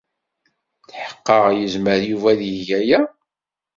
Tetḥeqqed yezmer Yuba ad yeg aya?